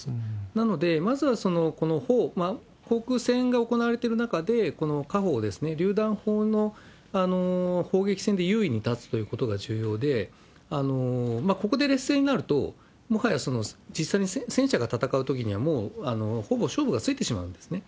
なので、まずはこの砲、航空戦が行われてる中で、この火砲ですね、りゅう弾砲の砲撃戦で優位に立つということが重要で、ここで劣勢になると、もはや実際に戦車が戦うときにはもうほぼ勝負がついてしまうんですね。